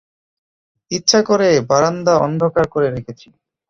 ইচ্ছা করে বারান্দা অন্ধকার করে রেখেছি।